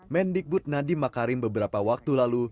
mendikbud nadiem makarim beberapa waktu lalu